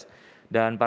dan para narasumber